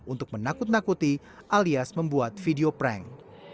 untuk menakut nakuti alias membuat video prank